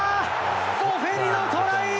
ボフェリ、トライ！